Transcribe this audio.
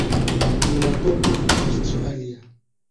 Ninatoka Australia.